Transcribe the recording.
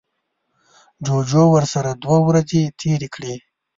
جوجو ورسره دوه ورځې تیرې کړې.